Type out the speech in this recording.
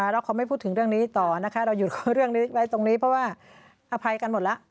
แล้วเขาไม่พูดถึงเรื่องนี้ต่อนะคะเราหยุดเรื่องนี้ไว้ตรงนี้เพราะว่าอภัยกันหมดแล้ว